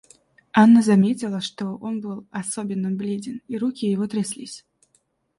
Анна заметила, что он был особенно бледен, и руки его тряслись.